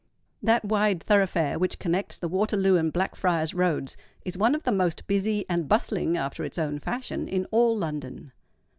That wide thoroughfare which connects the Waterloo and Blackfriars' Roads, is one of the most busy and bustling, after its own fashion, in all London.